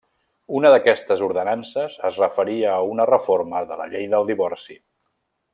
Una d'aquestes ordenances es referia a una reforma de la llei del divorci.